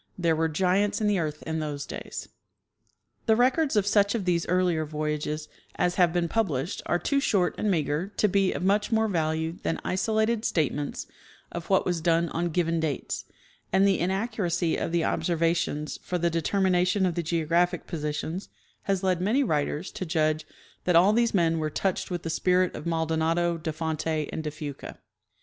" Tliere were giants in the earth in those days." The records of such of these earlier voyages as have been pub lished are too short and meager to be of much more value than isolated statements of what was done on given dates ; and the inaccuracy of the observations for the determination of the geo graphic positions has led manj' writers to judge that all these men were touched with the spirit of Maldonado, de. Fonte and de Fuca.